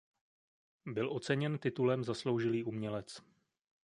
Byl oceněn titulem Zasloužilý umělec.